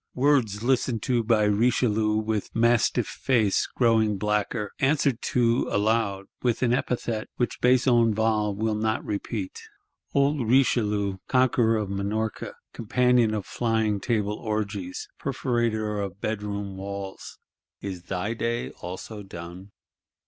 Words listened to by Richelieu with mastiff face, growing blacker; answered to, aloud, "with an epithet,"—which Besenval will not repeat. Old Richelieu, conqueror of Minorca, companion of Flying Table orgies, perforator of bedroom walls, is thy day also done?